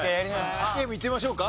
ゲームいってみましょうか。